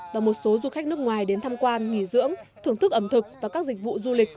và một số du khách nước ngoài đến tham quan nghỉ dưỡng thưởng thức ẩm thực và các dịch vụ du lịch